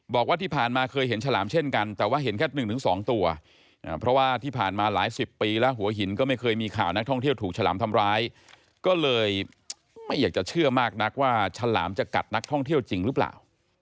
บอกว่าที่ผ่านมาเคยเห็นฉลามเช่นกันแต่ว่าเห็นแค่๑๒ตัวเพราะว่าที่ผ่านมาหลายสิบปีแล้วหัวหินก็ไม่เคยมีข่าวนักท่องเที่ยวถูกฉลามทำร้ายก็เลยไม่อยากจะเชื่อมากนักว่าฉลามจะกัดนักท่องเที่ยวจริงหรือเปล่า